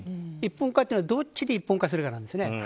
一本化というのはどっちに一本化するかなんです。